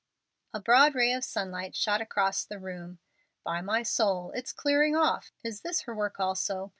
A broad ray of sunlight shot across the room. "By my soul! it's clearing off. Is this her work also?